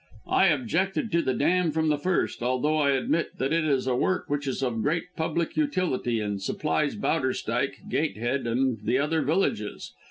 I objected to the dam from the first, although I admit that it is a work which is of great public utility and supplies Bowderstyke, Gatehead, and the other villages.